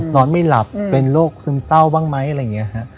นอนไม่หลับเป็นโรคซึมเศร้าบ้างไหมอะไรอย่างนี้ฮะ